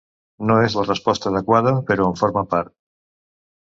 No és la resposta adequada, però en forma part.